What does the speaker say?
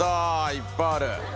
いっぱいある。